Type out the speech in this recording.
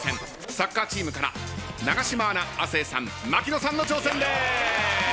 サッカーチームから永島アナ亜生さん槙野さんの挑戦です！